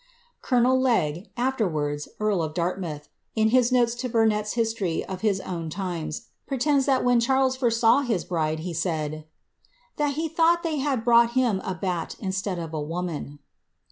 Colonel Legge, afterwards earl of Dartmouth, in his notes to Burnett History of his Own Times, pretends, that when Charles first saw his bride, he said, ^^ tliat he thought they had brought him a bat instead of a woman.